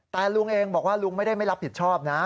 แต่ลุงเองบอกว่าลุงไม่ได้ไม่รับผิดชอบนะ